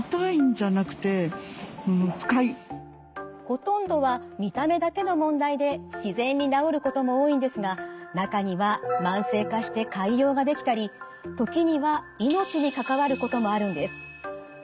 ほとんどは見た目だけの問題で自然に治ることも多いんですが中には慢性化して潰瘍が出来たり時には命に関わることもあるんです。